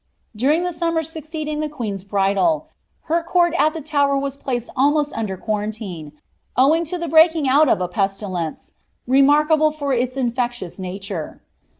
During the summer succeeding the queen's bridal, her court at the Tower was placed almost under quarantine, owing to the breaking out of a pestiienee, remarkable for its infections nature.